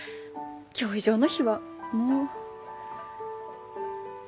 今日以上の日はもう。